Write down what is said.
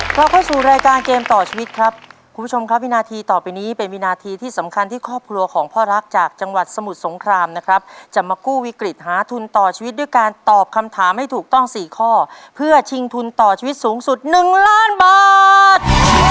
เพื่อชิงทุนต่อชีวิตสูงสุดหนึ่งล้านบาท